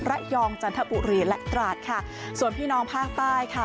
จันทบุรีและตราดค่ะส่วนพี่น้องภาคใต้ค่ะ